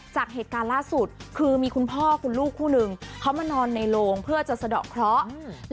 จากเหตุการณ์ล่าสุดคือมีคุณพ่อคุณลูกคู่นึงเขามานอนในโรงเพื่อจะสะดอกเคราะห์